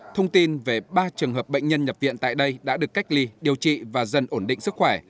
thông tin về ba trường hợp bệnh nhân nhập viện tại đây đã được cách ly điều trị và dần ổn định sức khỏe